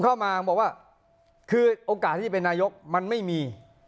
เข้ามาบอกว่าคือโอกาสที่จะเป็นนายกมันไม่มี